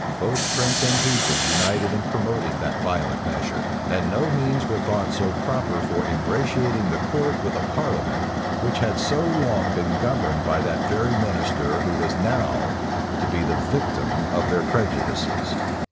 Both prince and people united in promoting that violent measure; and no means were thought so proper for ingratiating the court with a parliament, which had so long been governed by that very minister who was now to be the victim of their prejudices.